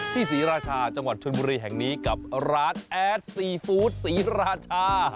ศรีราชาจังหวัดชนบุรีแห่งนี้กับร้านแอดซีฟู้ดศรีราชา